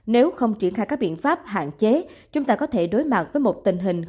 nếu không triển khai các biện pháp hạn chế chúng ta có thể đối mặt với một tình hình